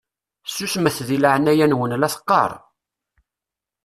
Susmet deg leɛnaya-nwen la teqqaṛ!